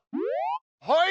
はい。